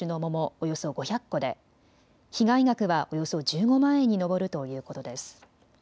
およそ５００個で被害額はおよそ１５万円に上るということです。